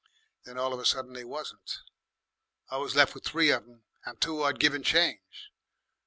Then all of a sudden they wasn't. I was left with three of 'em and two I'd given' change.